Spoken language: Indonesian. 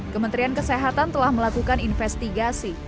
kementerian kesehatan telah melakukan investigasi